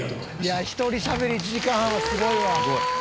「いや１人しゃべり１時間半はすごいわ」